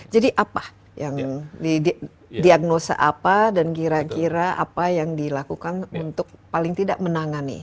jadi apa yang di diagnosa apa dan kira kira apa yang dilakukan untuk paling tidak menangani